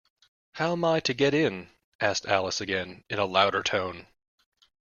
‘How am I to get in?’ asked Alice again, in a louder tone.